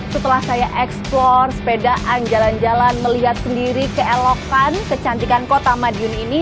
setelah saya eksplor sepedaan jalan jalan melihat sendiri keelokan kecantikan kota madiun ini